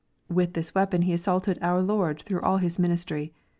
With this weapon he assaulted our Lord all through His ministry.